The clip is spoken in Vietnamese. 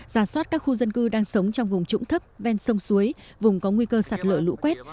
giả soát các khu dân cư đang sống trong vùng trũng thấp ven sông suối vùng có nguy cơ sạt lở lũ quét